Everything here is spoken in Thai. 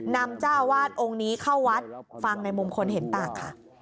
เจ้าวาดองค์นี้เข้าวัดฟังในมุมคนเห็นต่างค่ะ